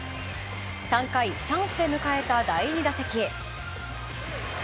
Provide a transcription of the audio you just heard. ３回、チャンスで迎えた第２打席。